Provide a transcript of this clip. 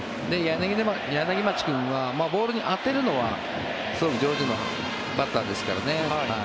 柳町君はボールに当てるのはすごく上手なバッターですからね。